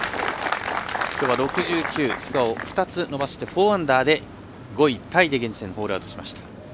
６９、スコアを２つ伸ばして４アンダーで５位タイでホールアウトしました。